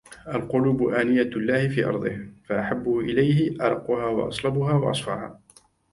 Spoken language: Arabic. القلوب آنية الله في أرضه، فأحبه إليه أرقها، وأصلبها، وأصفاها.